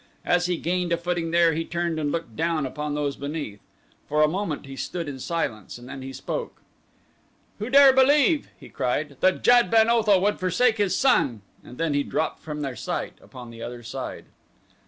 As he gained a footing there he turned and looked down upon those beneath. For a moment he stood in silence and then he spoke. "Who dare believe," he cried, "that Jad ben Otho would forsake his son?" and then he dropped from their sight upon the other side.